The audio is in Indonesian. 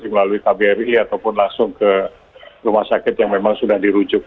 melalui kbri ataupun langsung ke rumah sakit yang memang sudah dirujuk